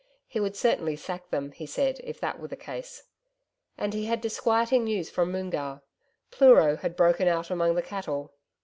He would certainly sack them, he said if that were the case. And he had disquieting news from Moongarr. Pleuro had broken out among the cattle.